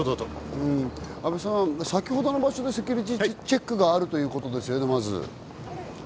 阿部さん、先ほどの場所でセキュリティーチェックがあるということですね、まず。